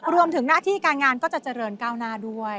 รวมถึงหน้าที่การงานก็จะเจริญก้าวหน้าด้วย